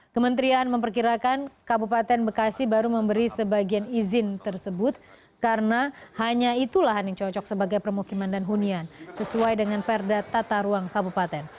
kementerian memperkirakan kabupaten bekasi baru memberi sebagian izin tersebut karena hanya itu lahan yang cocok sebagai permukiman dan hunian sesuai dengan perda tata ruang kabupaten